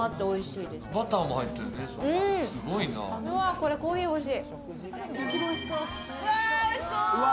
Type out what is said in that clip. これ、コーヒー欲しい。